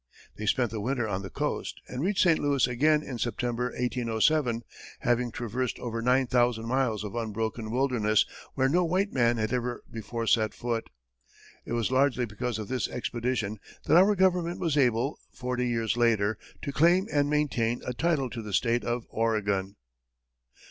They spent the winter on the coast, and reached St. Louis again in September, 1807, having traversed over nine thousand miles of unbroken wilderness where no white man had ever before set foot. It was largely because of this expedition that our government was able, forty years later, to claim and maintain a title to the state of Oregon.